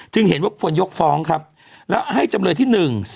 เห็นว่าควรยกฟ้องครับแล้วให้จำเลยที่๑๒